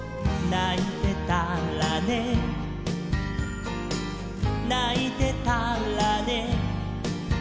「ないてたらねないてたらね」